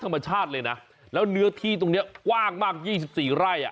ธรรมชาติเลยน่ะแล้วเนื้อที่ตรงเนี้ยกว้างมากยี่สิบสี่ไร่อ่ะ